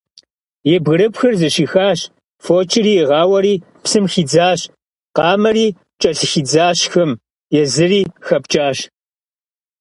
И бгырыпхыр зыщӀихащ, фочыр игъауэри, псым хидзащ, къамэри кӀэлъыхидзащ хым, езыри хэпкӀащ.